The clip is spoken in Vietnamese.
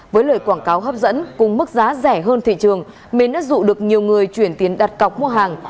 với lời quảng cáo hấp dẫn cùng mức giá rẻ hơn thị trường mến đã dụ được nhiều người chuyển tiền đặt cọc mua hàng